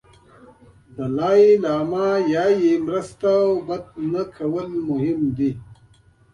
دالای لاما وایي مرسته او بد نه کول مهم دي.